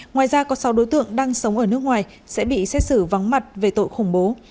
ngoài ra có sáu đối tượng đang sống ở nước ngoài sẽ bị xét xử vắng mặt về tội khủng bố